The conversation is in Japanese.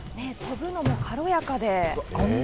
跳ぶのも軽やか。